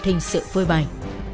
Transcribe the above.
thình sự phơi bày